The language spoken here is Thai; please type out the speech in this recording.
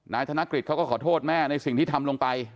นายกธนกฤษเขาก็ขอโทษแม่ในสิ่งที่ทำลงไป